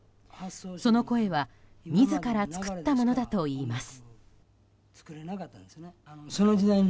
その声は自ら作ったものだといいます。